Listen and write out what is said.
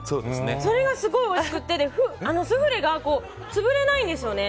それがすごくおいしくてスフレが潰れないんですよね。